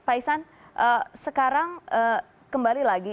pak isan sekarang kembali lagi